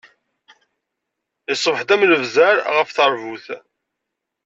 Iṣbeḥ-d am lebzeṛ ɣef teṛbut.